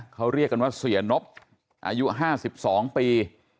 เขาเรียกกันว่าเสียนพอายุห้าสิบสองปี